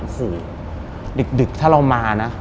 หูดึกถ้าเรามานะ